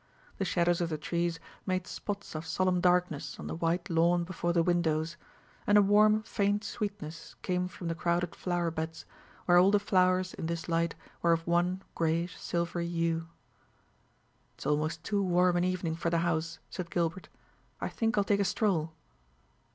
The shadows of the trees made spots of solemn darkness on the wide lawn before the windows, and a warm faint sweetness came from the crowded flower beds, where all the flowers in this light were of one grayish silvery hue. "It's almost too warm an evening for the house," said Gilbert; "I think I'll take a stroll."